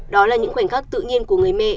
đó là những khoảnh khắc tự nhiên của người mẹ